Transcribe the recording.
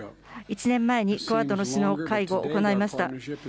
１年前にクアッドの首脳会合行いました。